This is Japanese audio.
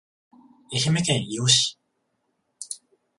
愛媛県伊予市